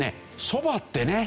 そばってね